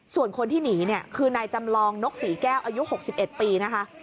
ส่วนคนที่หนีเนี่ยคือนายจำลองนกศรีแก้วอายุ๖๑ปีนะคะ